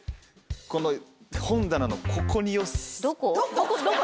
この本棚のここに。